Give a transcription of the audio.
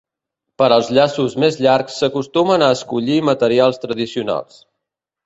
Per als llaços més llargs s'acostumen a escollir materials tradicionals.